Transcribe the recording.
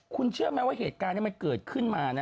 คุณเชื่อไหมว่าเหตุการณ์นี้มันเกิดขึ้นมานะ